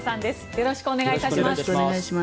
よろしくお願いします。